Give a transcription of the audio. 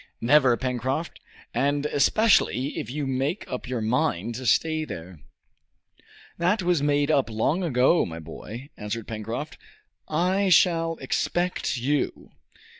"Never, Pencroft, and especially if you make up your mind to stay there." "That was made up long ago, my boy," answered Pencroft. "I shall expect you.